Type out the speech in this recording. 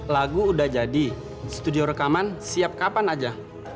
lagu udah jadi studio rekaman siap kapan aja